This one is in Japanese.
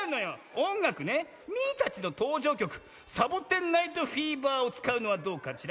おんがくねミーたちのとうじょうきょく「サボテン・ナイト・フィーバー」をつかうのはどうかしら？